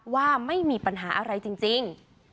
ว่าไม่มีปัญหาอะไรจริง